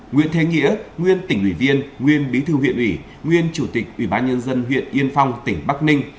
nguyễn thế nghĩa nguyên tỉnh ủy viên nguyên bí thư huyện ủy nguyên chủ tịch ủy ban nhân dân huyện yên phong tỉnh bắc ninh